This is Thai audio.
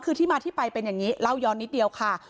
คือที่มาที่ไปเป็นอย่างนี้เล่าย้อนนิดเดียวค่ะ